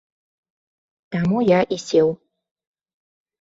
Таму я і сеў.